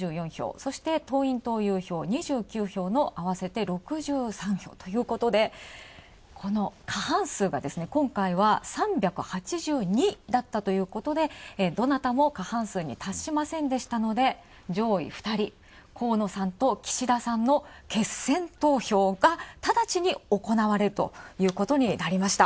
そして党員・党友票２９票ということで合わせて６３票ということで、過半数が今回は３８２だったということで、どなたも過半数に達しませんでしたので、上位２人、河野さんと岸田さんの決選投票が、ただちに行われるということになりました。